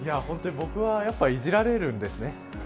僕は、やっぱいじられるんです。